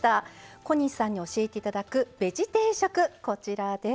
小西さんに教えて頂くベジ定食こちらです。